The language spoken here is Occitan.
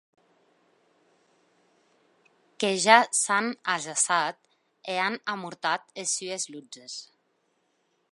Que ja s’an ajaçat e an amortat es sues lutzes.